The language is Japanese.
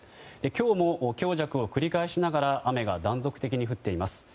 今日も強弱を繰り返しながら雨が断続的に降っています。